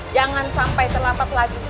jangan sampai terlambat lagi